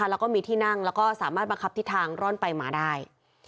แล้วก็มีที่นั่งแล้วก็สามารถบังคับทิศทางร่อนไปมาได้